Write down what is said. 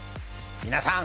皆さん